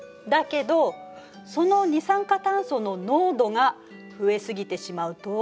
だけどその二酸化炭素の濃度が増え過ぎてしまうと？